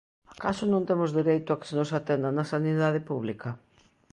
¿Acaso non temos dereito a que se nos atenda na sanidade pública?